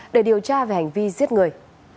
để điều tra về hành vi giết người